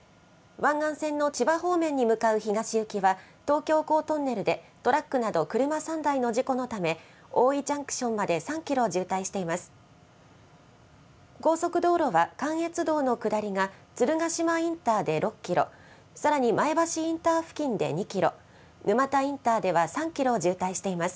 湾岸線の千葉方面に向かう東行きは、東京港トンネルでトラックなど車３台の事故のため、大井ジャンクションまで３キロ渋滞しています。